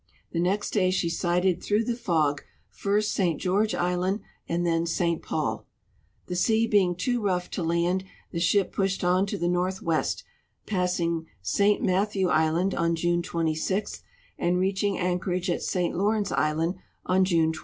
The next day she sighted through the fog first St. George island and then St. Paul. The sea being too rough to land, the ship pushed on to the northwest, passing St. IMat thew island on June 26, and reaching anchorage at St. Law rence island on June 28.